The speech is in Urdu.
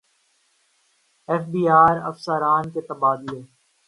ایف بی ار افسران کے تبادلے